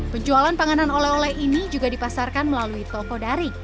penjualan panganan oleh oleh ini juga dipasarkan melalui toko daring